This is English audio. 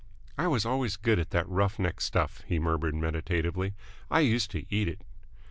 "I was always good at that rough neck stuff," he murmured meditatively. "I used to eat it!"